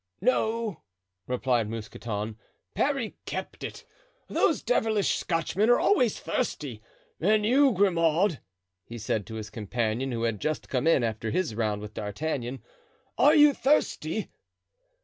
"No," replied Mousqueton, "Parry kept it. Those devilish Scotchmen are always thirsty. And you, Grimaud," he said to his companion, who had just come in after his round with D'Artagnan, "are you thirsty?"